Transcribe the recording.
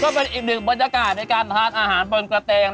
ก็เป็นอีกหนึ่งบรรยากาศในการทานอาหารบนกระเตง